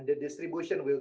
dan distribusi akan